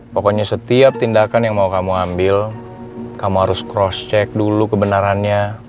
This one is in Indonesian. pokoknya setiap tindakan yang mau kamu ambil kamu harus cross check dulu kebenarannya